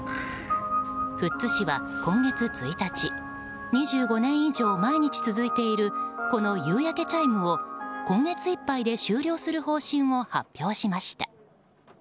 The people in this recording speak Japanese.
富津市は今月１日２５年以上、毎日続いているこの夕焼けチャイムを今月いっぱいで終了する方針を発表しました。